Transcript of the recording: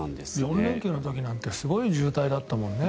４連休の時なんてすごい渋滞だったよね。